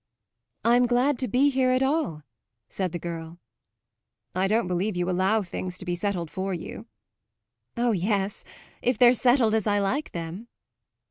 "I'm glad to be here at all," said the girl. "I don't believe you allow things to be settled for you." "Oh yes; if they're settled as I like them."